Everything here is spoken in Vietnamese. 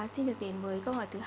xin được đến với câu hỏi thứ hai